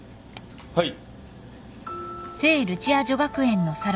はい。